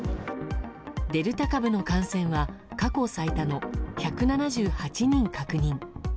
デルタ株の感染は過去最多の１７８人確認。